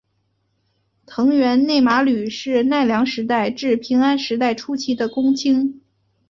藤原内麻吕是奈良时代至平安时代初期的公卿。